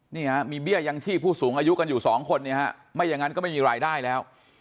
นี่ฮะมีเบี้ยยังชีพผู้สูงอายุกันอยู่สองคนเนี่ยฮะไม่อย่างนั้นก็ไม่มีรายได้แล้ว